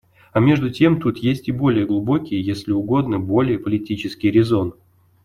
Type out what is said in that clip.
А между тем тут есть и более глубокий и, если угодно, более политический резон.